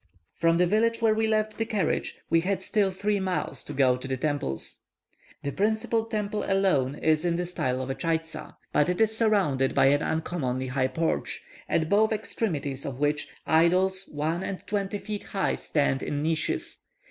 From the village where we left the carriage we had still three miles to go to the temples. The principal temple alone is in the style of a chaitza; but it is surrounded by an uncommonly high porch, at both extremities of which idols one and twenty feet high stand in niches.